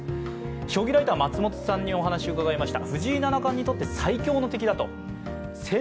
将棋ライター・松本さんにお話を伺いました。